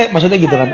maksudnya gitu kan